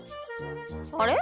あれ？